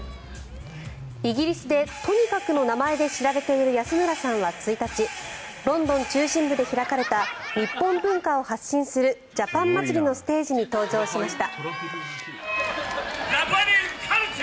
イギリスでトニカクの名前で知られている安村さんは１日ロンドン中心部で開かれた日本文化を発信するジャパン祭りのステージに登場しました。